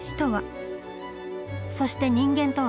そして人間とは？